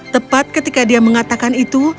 tepat ketika dia mengatakan itu